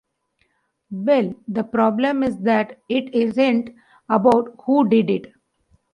Well the problem is that it isn't about who did it.